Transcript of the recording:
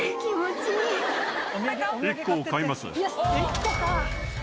１個買います。